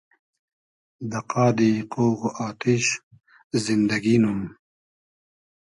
دۂ قادی قۉغ و آتیش زیندئگی نوم